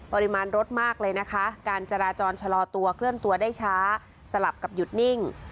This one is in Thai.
ปริมาณรถมากเลยนะคะการจราจรชะลอตัวเคลื่อนตัวได้ช้าสลับกับหยุดนิ่ง